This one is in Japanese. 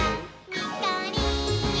にっこり。